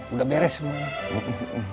udah beres semuanya